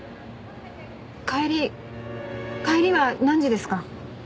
帰り帰りは何時ですか？